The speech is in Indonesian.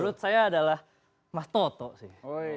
menurut saya adalah mas toto sih